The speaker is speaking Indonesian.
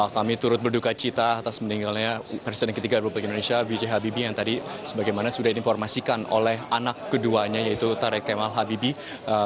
kami turut berduka cita atas meninggalnya presiden ketiga republik indonesia b j habibie yang tadi sebagaimana sudah diinformasikan oleh anak keduanya yaitu tarik kemal habibie